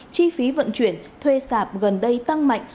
chi phí vận chuyển thuê sạp gần đây tăng mạnh